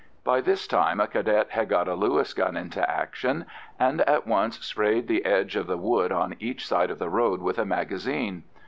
By this time a Cadet had got a Lewis gun into action, and at once sprayed the edge of the wood on each side of the road with a magazine.